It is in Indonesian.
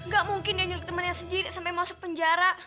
gak mungkin dia nyuruh temannya sendiri sampai masuk penjara